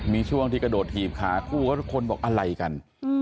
มีช่วงที่กระโดดหีบขาคู่ก็ทุกคนบอกอะไรกัน